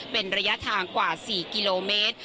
เป็นระยะทางกว่า๔กิโลเมตร